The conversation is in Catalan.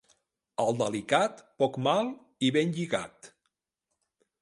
Al delicat, poc mal i ben lligat.